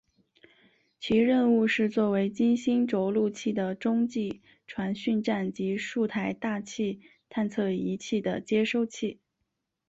其任务是做为金星着陆器的中继传讯站及数台大气探测仪器的接收器。